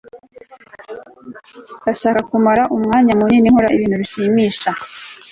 ndashaka kumara umwanya munini nkora ibintu binshimisha